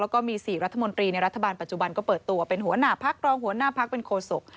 แล้วก็มี๔รัฐมนตรีในรัฐบาลปัจจุบันก็เปิดตัวเป็นหัวหน้าพักรองหัวหน้าพักเป็นโคศก